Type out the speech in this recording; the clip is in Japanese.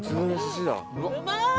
うまい！